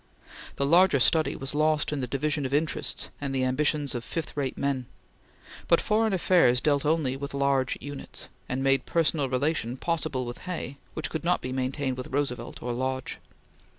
The larger study was lost in the division of interests and the ambitions of fifth rate men; but foreign affairs dealt only with large units, and made personal relation possible with Hay which could not be maintained with Roosevelt or Lodge.